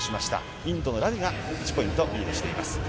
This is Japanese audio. インドのラビが１ポイント、リードしています。